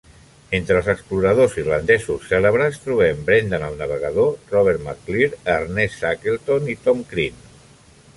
Entre els exploradors irlandesos cèlebres trobem Brendan El Navegador, Robert McClure, Ernest Shackleton i Tom Crean.